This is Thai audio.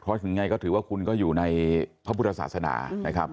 เพราะถึงยังไงก็ถือว่าคุณก็อยู่ในพระพุทธศาสนานะครับ